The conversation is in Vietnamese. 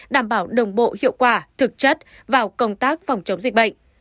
đảm bảo đồng bộ hiệu quả thực chất vào công tác phòng chống dịch bệnh